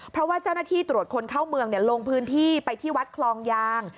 เพราะว่าเจ้าหน้าที่ตรวจคนเข้าเมืองลงพื้นที่ไปที่วัดคลองยาง